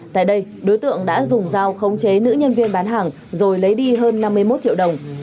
tại đây đối tượng đã dùng dao khống chế nữ nhân viên bán hàng rồi lấy đi hơn năm mươi một triệu đồng